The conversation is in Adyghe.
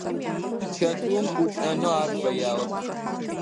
Чэтыум ӏукӏэнэу ар фэягъэп.